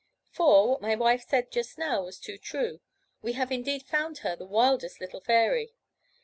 For, what my wife said just now was too true we have indeed found her the wildest little fairy!